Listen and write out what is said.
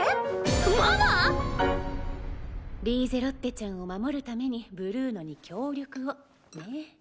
ママ⁉リーゼロッテちゃんを守るためにブルーノに協力をね。